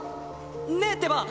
ねえってば！